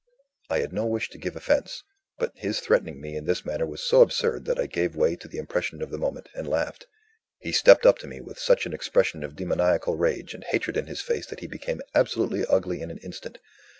I had no wish to give offence but his threatening me in this manner was so absurd that I gave way to the impression of the moment, and laughed. He stepped up to me, with such an expression of demoniacal rage and hatred in his face that he became absolutely ugly in an instant.